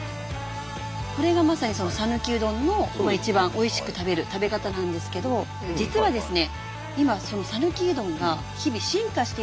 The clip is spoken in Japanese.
これがまさにさぬきうどんの一番おいしく食べる食べ方なんですけど実はですね